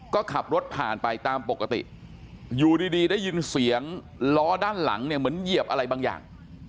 ก็ขับรถผ่านไปตามปกติอยู่ดีได้ยินเสียงล้อด้านหลังเนี่ยเหมือนเหยียบอะไรบางอย่าง